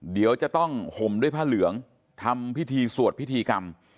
เดี๋ยวจะต้องห่มด้วยผ้าเหลืองทำพิธีสวดพิธีกรรม